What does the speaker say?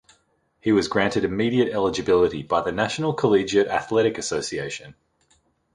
He was granted immediate eligibility by the National Collegiate Athletic Association.